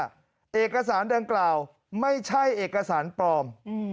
เอกสารดังกล่าวไม่ใช่เอกสารปลอม